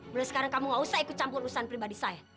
mulai sekarang kamu gak usah ikut campur urusan pribadi saya